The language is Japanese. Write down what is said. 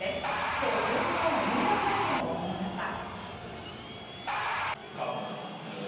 今日、広島への入団会見を行いました。